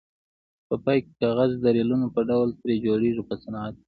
په پای کې کاغذ د ریلونو په ډول ترې جوړیږي په صنعت کې.